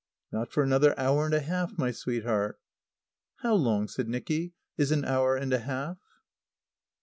"Not for another hour and a half, my sweetheart." "How long," said Nicky, "is an hour and a half?"